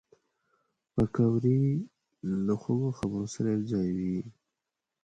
پکورې له خوږو خبرو سره یوځای وي